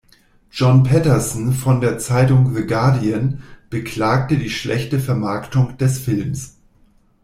John Patterson von der Zeitung "The Guardian" beklagte die schlechte Vermarktung des Films.